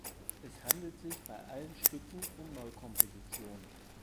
Es handelt sich bei allen Stücken um Neukompositionen.